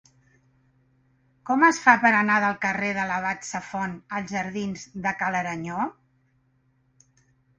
Com es fa per anar del carrer de l'Abat Safont als jardins de Ca l'Aranyó?